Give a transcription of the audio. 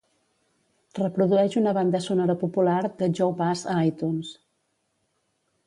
Reprodueix una banda sonora popular de Joe Pass a iTunes.